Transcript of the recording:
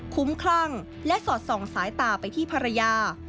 คุ้มคลั่งและสอดส่องสายตาไปที่ภรรยา